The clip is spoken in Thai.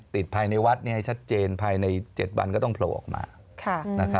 ติดภายในวัดให้ชัดเจนภายใน๗วันก็ต้องโผล่ออกมา